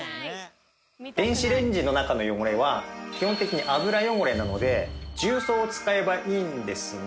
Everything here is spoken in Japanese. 電子レンジの中の汚れは基本的に油汚れなので重曹を使えばいいんですが。